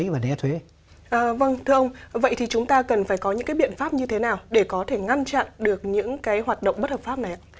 vâng thưa ông vậy thì chúng ta cần phải có những cái biện pháp như thế nào để có thể ngăn chặn được những cái hoạt động bất hợp pháp này ạ